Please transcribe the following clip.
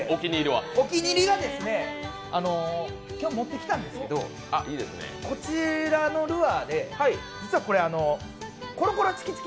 お気に入りは今日持ってきたんですけど、こちらのルアーで、実はこれ、コロコロチキチキ